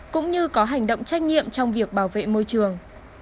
cũng như có hành động trách nhiệm trong việc bảo vệ môi trường